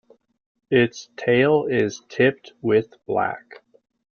Its tail is tipped with black.